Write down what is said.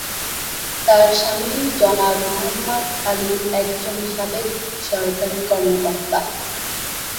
তার স্বামী জনাব মোহাম্মদ আলী একজন সাবেক সরকারী কর্মকর্তা।